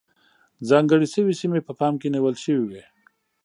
ځانګړې شوې سیمې په پام کې نیول شوې وې.